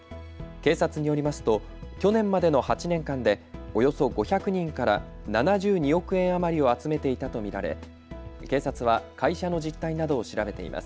警察によりますと去年までの８年間でおよそ５００人から７２億円余りを集めていたと見られ、警察は会社の実態などを調べています。